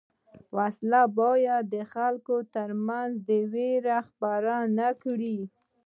وسله باید د خلکو تر منځ وېره خپره نه کړي